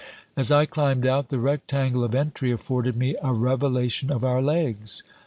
As I climbed out, the rectangle of entry afforded me a revelation of our legs.